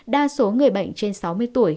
đa số người bệnh trên sáu mươi tuổi